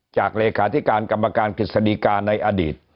เลขาธิการกรรมการกฤษฎีกาในอดีต